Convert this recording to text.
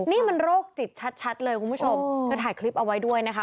นี่มันโรคจิตชัดเลยคุณผู้ชมเธอถ่ายคลิปเอาไว้ด้วยนะคะ